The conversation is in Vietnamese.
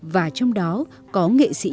và trong đó có nghệ sĩ nhân dân